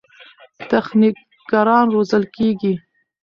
تخنیکران روزل کېږي.